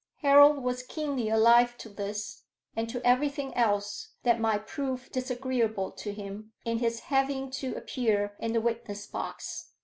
Harold was keenly alive to this, and to everything else that might prove disagreeable to him in his having to appear in the witness box.